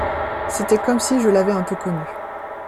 C’était comme si je l’avais un peu connue.